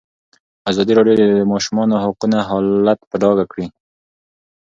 ازادي راډیو د د ماشومانو حقونه حالت په ډاګه کړی.